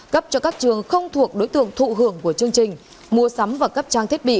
cấp cho các trường không thuộc đối tượng thụ hưởng của chương trình mua sắm và cấp trang thiết bị